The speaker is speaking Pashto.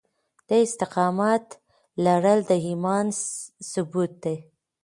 د استقامت لرل د ايمان ثبوت دی.